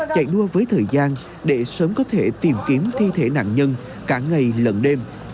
chạy đua với thời gian để sớm có thể tìm kiếm thi thể nạn nhân cả ngày lẫn đêm